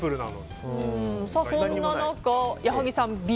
そんな中、矢作さんはＢ。